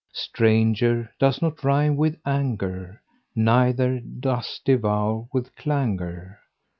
Stranger does not rime with anger, Neither does devour with clangour.